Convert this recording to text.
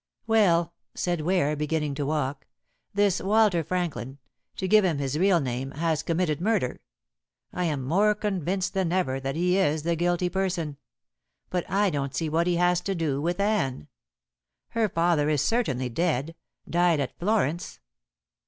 "Well," said Ware, beginning to walk, "this Walter Franklin to give him his real name has committed murder. I am more convinced than ever that he is the guilty person. But I don't see what he has to do with Anne. Her father is certainly dead died at Florence.